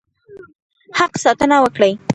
حق ساتنه وکړي.